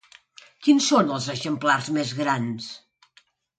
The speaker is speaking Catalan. Quins són els exemplars més grans?